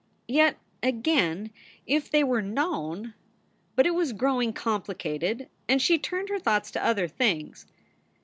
Yet again, if they were known But it was growing complicated and she turned her thoughts to other things.